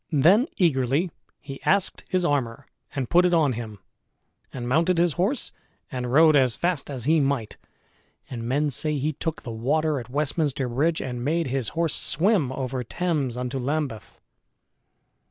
Then eagerly he asked his armor and put it on him, and mounted his horse and rode as fast as he might; and men say he took the water at Westminster Bridge, and made his horse swim over Thames unto Lambeth.